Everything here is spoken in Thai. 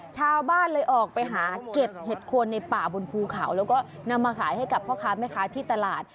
ชาวบ้านเลยออกไปหาเก็บเห็ดโคนในป่าบนภูเขาแล้วก็นำมาขายให้กับพ่อค้าแม่ค้าที่ตลาด